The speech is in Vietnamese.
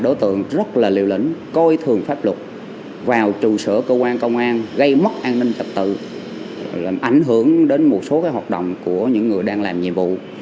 đối tượng rất là liều lĩnh coi thường pháp luật vào trụ sở cơ quan công an gây mất an ninh trật tự làm ảnh hưởng đến một số hoạt động của những người đang làm nhiệm vụ